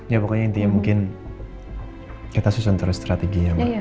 ya pokoknya intinya mungkin kita susun terus strateginya mbak